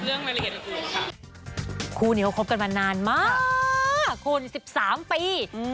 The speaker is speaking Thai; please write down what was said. เรื่องรายละเอียดอื่นค่ะคู่นี้เขาคบกันมานานมากคุณสิบสามปี